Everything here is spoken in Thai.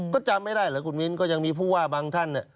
ก็จำไม่ได้เหรอคุณมิ้นก็ยังมีผู้ว่าบางท่าน